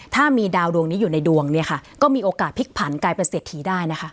ถ้ามีดาวดวงนี้อยู่ในดวงเนี่ยค่ะก็มีโอกาสพลิกผันกลายเป็นเศรษฐีได้นะคะ